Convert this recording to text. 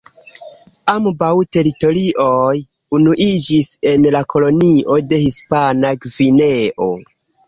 Ambaŭ teritorioj unuiĝis en la kolonio de Hispana Gvineo.